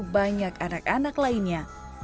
banyak anak anak lainnya